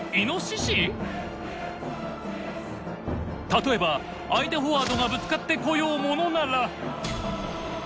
例えば相手フォワードがぶつかってこようものなら。